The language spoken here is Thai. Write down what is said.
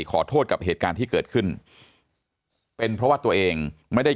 ขอโทษกับเหตุการณ์ที่เกิดขึ้นเป็นเพราะว่าตัวเองไม่ได้